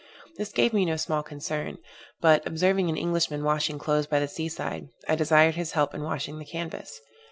This gave me no small concern; but, observing an Englishman washing clothes by the sea side, I desired his help in washing the canvas.